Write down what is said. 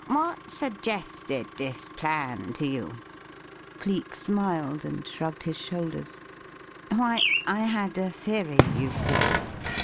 "What suggested this plan to you?" Cleek smiled and shrugged his shoulders. "Why, I had a theory, you see.